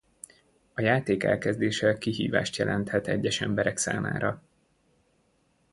A játék elkezdése kihívást jelenthet egyes emberek számára.